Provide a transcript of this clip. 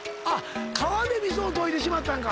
川で味噌を溶いてしまったんか？